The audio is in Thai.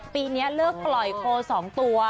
ปีนี้เลิกปล่อยโค๒ตัว